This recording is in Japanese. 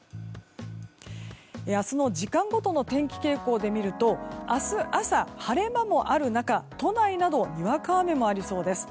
明日の時間ごとの天気傾向で見ると明日朝、晴れ間もある中都内などにわか雨もありそうです。